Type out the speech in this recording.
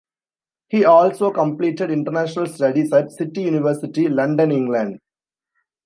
He also completed international studies at City University, London, England.